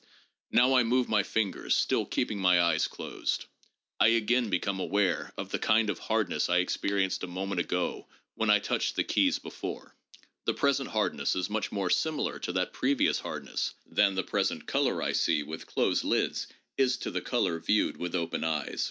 Now I move my fingers, still keeping my eyes closed ; I again become aware of the kind of hardness I experienced a moment ago when I touched the keys before. The present hardness is much more similar to that previous hardness than the present color I see with closed lids is to the color viewed with open eyes.